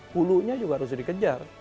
hulunya juga harus dikejar